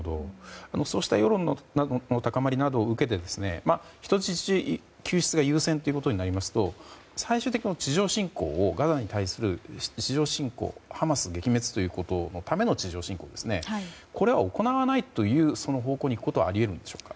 そうした世論の高まりなどを受けて人質救出が優先ということになりますと最終的にガザに対する地上侵攻をハマス撃滅のための地上侵攻ですがこれは行わないという方向にいくことはあり得るんでしょうか。